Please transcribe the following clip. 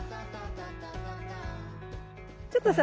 ちょっとさ